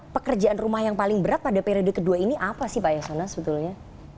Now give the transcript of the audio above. pekerjaan rumah yang paling berat pada periode kedua ini apa sih pak yasona sebetulnya